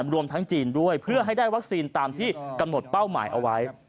รวมทั้งจีนด้วยเพื่อให้ได้วัคซีนตามที่กำหนดเป้าหมายเอาไว้